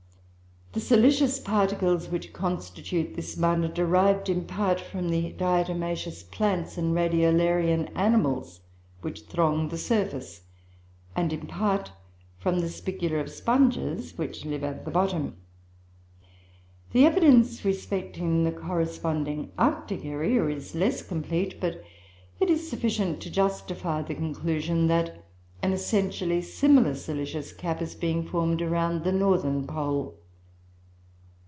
The silicious particles which constitute this mud, are derived, in part, from the diatomaceous plants and radiolarian animals which throng the surface, and, in part, from the spicula of sponges which live at the bottom. The evidence respecting the corresponding Arctic area is less complete, but it is sufficient to justify the conclusion that an essentially similar silicious cap is being formed around the northern pole.